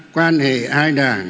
quan hệ hai đảng